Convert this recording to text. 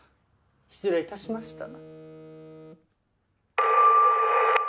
失礼致しました。